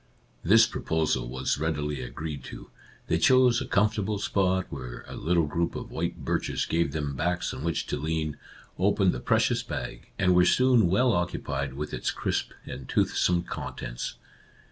This proposal was readily agreed to. They chose a comfortable spot where a little group of white birches gave them backs on which to lean, opened the precious bag, and were soon well occupied with its crisp and toothsome contents.